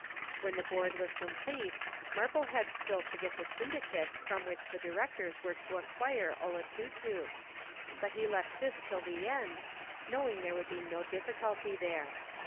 When the Board was complete, Marple had still to get the Syndicate from which the Directors were to acquire "Olotutu," but he left this till the end, knowing there would be no difficulty there.